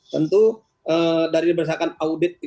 tentu dari berdasarkan audit